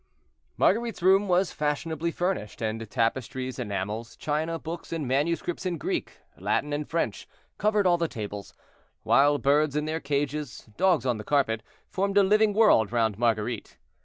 Marguerite's room was fashionably furnished; and tapestries, enamels, china, books and manuscripts in Greek, Latin and French covered all the tables; while birds in their cages, dogs on the carpet, formed a living world round Marguerite.